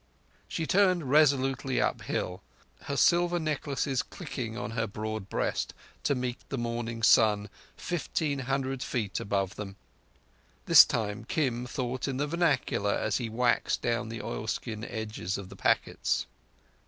She turned resolutely uphill, her silver necklaces clicking on her broad breast, to meet the morning sun fifteen hundred feet above them. This time Kim thought in the vernacular as he waxed down the oilskin edges of the packets.